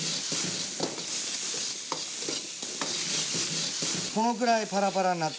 このくらいパラパラになったらいいよ。